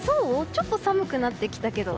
ちょっと寒くなってきたけど。